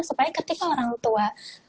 supaya ketika orang tua